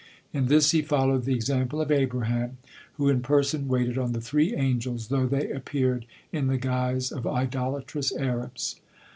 In this he followed the example of Abraham, who in person waited on the three angels, though they appeared in the guise of idolatrous Arabs.